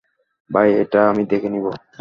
ভাই, এটা আমি দেখে নিব।